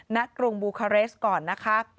กรุงบูคาเรสก่อนนะคะ